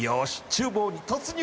厨房に突入